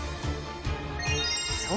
［そう。